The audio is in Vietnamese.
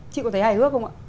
chị có thấy hài hước không ạ